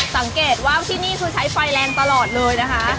สังเกตว่าที่นี่คือใช้ไฟแรงตลอดเลยนะคะ